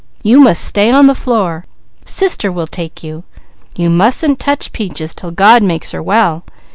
You must stay on the floor! Sister will take you. You mustn't touch Peaches 'til God makes her well.